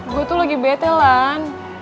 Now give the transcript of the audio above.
gue tuh lagi bete lan